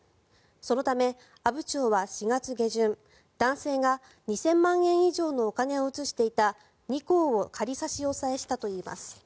そのため、阿武町は４月下旬男性が２０００万円以上のお金を移していた２行を仮差し押さえしたといいます。